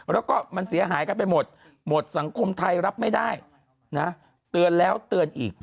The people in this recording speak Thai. แล้วก็มันเสียหายกันไปหมดหมดสังคมไทยรับไม่ได้นะเตือนแล้วเตือนอีก